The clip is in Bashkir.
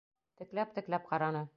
Текләп-текләп ҡараны.